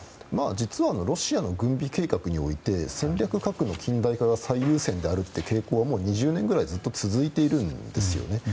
実は、ロシアの軍備計画において戦略核の近代化が最優先であるという傾向は、もう２０年くらいずっと続いているんですよね。